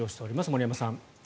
森山さん。